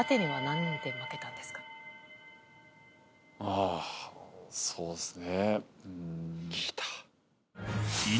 あぁそうっすね。